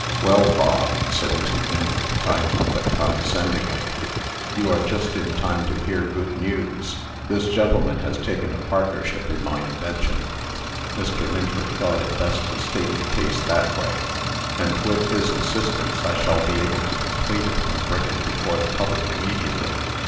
"Well, Bog," said Mr. Minford, kindly, but condescendingly, "you are just in time to hear good news. This gentleman has taken a partnership in my invention (Mr. Minford thought it best to state the case that way), and, with his assistance, I shall be able to complete it and bring it before the public immediately."